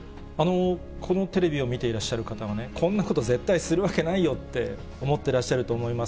このテレビを見ていらっしゃる方がね、こんなこと絶対するわけないよって思ってらっしゃると思います。